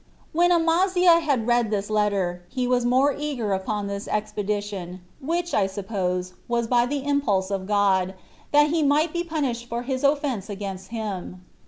3. When Amaziah had read this letter, he was more eager upon this expedition, which, I suppose, was by the impulse of God, that he might be punished for his offense against him.